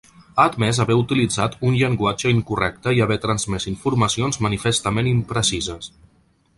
Ha admès haver utilitzat ‘un llenguatge incorrecte i haver transmès informacions manifestament imprecises’.